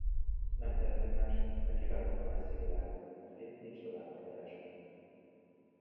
Nem tehetünk mást, nekivágunk a messzi világnak, mert itt nincs tovább maradásunk.